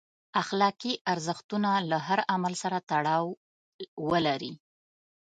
اخلاقي ارزښتونه له هر عمل سره تړاو ولري.